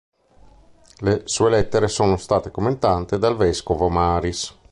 Le sue lettere sono state commentate dal vescovo Maris.